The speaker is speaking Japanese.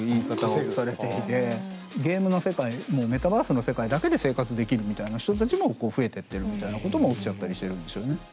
ゲームの世界メタバースの世界だけで生活できるみたいな人たちも増えてってるみたいなことも起きちゃったりしてるんですよね。